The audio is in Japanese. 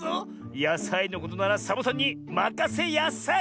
やさいのことならサボさんにまかせやさい！